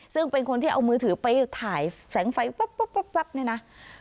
ซึ่งเป็นคนที่เอามือถือไปถ่ายแสงไฟวับเนี่ยนะ